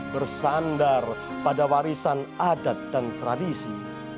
bersandar pada warisan adat dan tradisi